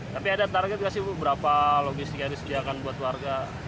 tapi ada target nggak sih bu berapa logistik yang disediakan buat warga